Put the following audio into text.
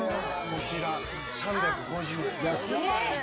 こちらで３５０円。